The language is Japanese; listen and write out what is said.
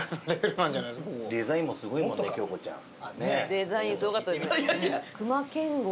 デザインすごかったです。